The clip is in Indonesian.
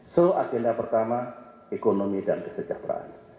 so agenda pertama ekonomi dan kesejahteraan